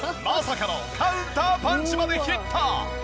まさかのカウンターパンチまでヒット！